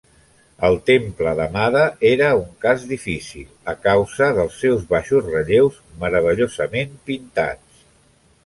El temple d'Amada era un cas difícil, a causa dels seus baixos relleus meravellosament pintats.